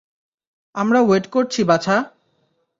আমরা ওয়েট করছি বাছা?